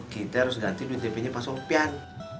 kita harus ganti duit dp nya pak sopyan